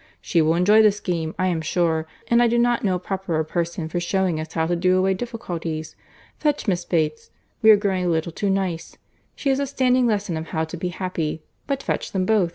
She will enjoy the scheme, I am sure; and I do not know a properer person for shewing us how to do away difficulties. Fetch Miss Bates. We are growing a little too nice. She is a standing lesson of how to be happy. But fetch them both.